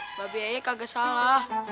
mbak biaya kagak salah